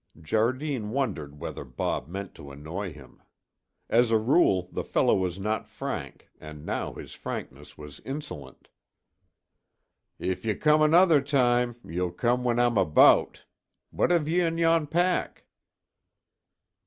Jardine wondered whether Bob meant to annoy him. As a rule the fellow was not frank and now his frankness was insolent. "If ye come another time, ye'll come when I'm aboot. What have ye in yon pack?"